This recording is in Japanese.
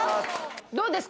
どうですか？